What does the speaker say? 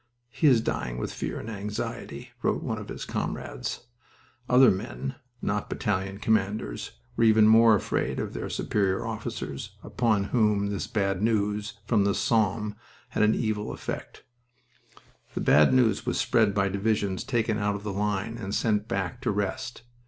"He is dying with fear and anxiety," wrote one of his comrades. Other men, not battalion commanders, were even more afraid of their superior officers, upon whom this bad news from the Somme had an evil effect. The bad news was spread by divisions taken out of the line and sent back to rest.